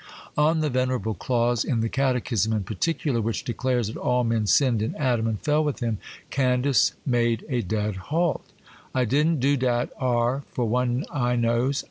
On the venerable clause in the Catechism, in particular, which declares that all men sinned in Adam and fell with him, Candace made a dead halt:— 'I didn't do dat ar', for one, I knows.